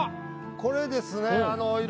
これですね。